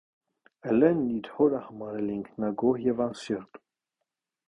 Էլենն իր հորը համարել է ինքնագոհ և անսիրտ։